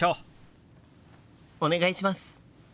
お願いします！